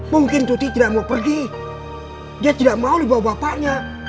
mungkin cuti tidak mau pergi dia tidak mau dibawa bapaknya